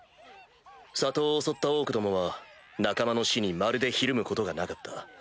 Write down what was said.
里を襲ったオークどもは仲間の死にまるでひるむことがなかった。